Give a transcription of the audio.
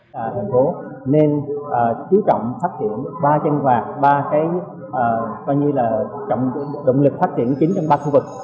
hành phố nên chú trọng phát triển ba chân quạt ba động lực phát triển chính trong ba khu vực